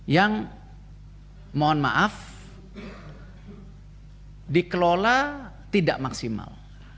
yang mohon maaf dikelola tidak maksimal